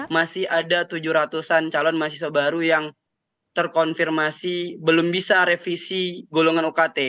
masih ada tujuh ratus an calon mahasiswa baru yang terkonfirmasi belum bisa revisi golongan ukt